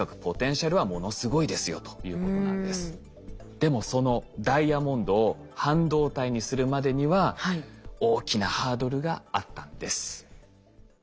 でもそのダイヤモンドを半導体にするまでには大きなハードルがあったんです。